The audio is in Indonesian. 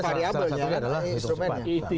salah satunya adalah instrumennya